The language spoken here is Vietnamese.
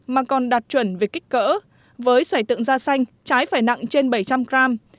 mà còn đạt chuẩn về kích cỡ với xoài tượng da xanh trái phải nặng trên bảy trăm linh gram